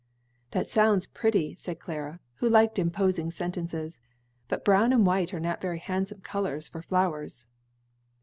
'" "That sounds pretty," said Clara, who liked imposing sentences, "but brown and white are not very handsome colors for flowers."